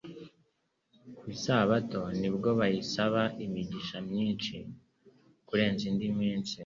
Ku Isabato nibwo bayisaba imigisha myinshi kurenza iyindi minsi.